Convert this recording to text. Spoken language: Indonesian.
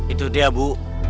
itu dia bu